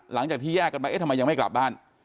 หลังจากที่แยกกันไปเอ๊ะทำไมยังไม่กลับบ้าน